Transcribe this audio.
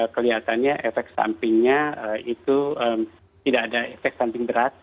kelihatannya efek sampingnya itu tidak ada efek samping berat